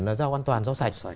là rau an toàn rau sạch